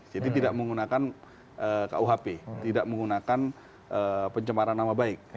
jadi tidak menggunakan kuhp tidak menggunakan pencemaran nama baik